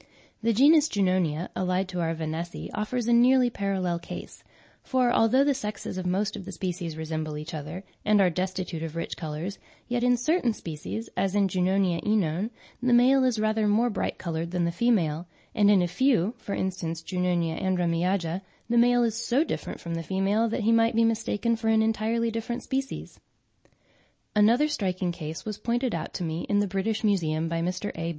The genus Junonia, allied to our Vanessae, offers a nearly parallel case, for although the sexes of most of the species resemble each other, and are destitute of rich colours, yet in certain species, as in J. oenone, the male is rather more bright coloured than the female, and in a few (for instance J. andremiaja) the male is so different from the female that he might be mistaken for an entirely distinct species. Another striking case was pointed out to me in the British Museum by Mr. A.